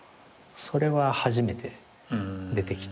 それは初めて出てきて。